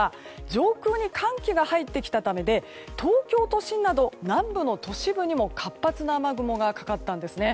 上空に寒気が入ってきたためで東京都心など南部の都市部にも活発な雨雲がかかったんですね。